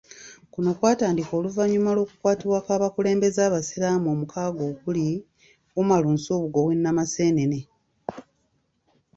Kuno kwatandika oluvanyuma lw'okukwatibwa kw'abakulembeze babasiraamu omukaaga okuli, Umaru Nsubuga ow'e Namaseenene.